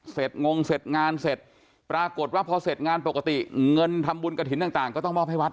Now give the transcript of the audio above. งงเสร็จงานเสร็จปรากฏว่าพอเสร็จงานปกติเงินทำบุญกระถิ่นต่างก็ต้องมอบให้วัด